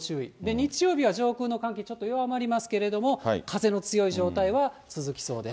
日曜日は上空の寒気、ちょっと弱まりますけれども、風の強い状態は続きそうです。